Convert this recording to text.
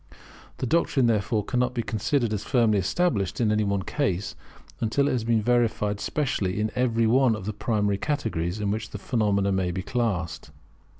The doctrine, therefore, cannot be considered as firmly established in any one case, until it has been verified specially in every one of the primary categories in which phenomena may be classed.